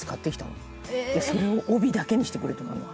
それを帯だけにしてくれるのよ。